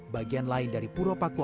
sayamas ruif kch